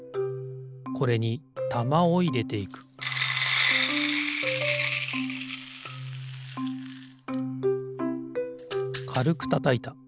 これにたまをいれていくかるくたたいた。